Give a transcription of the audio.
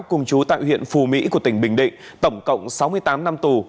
cùng chú tại huyện phù mỹ của tỉnh bình định tổng cộng sáu mươi tám năm tù